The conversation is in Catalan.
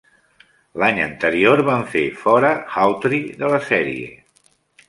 L'any anterior, van fer fora Hawtrey de la sèrie.